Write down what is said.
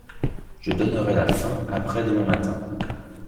Je donnerai la fin après-demain matin. —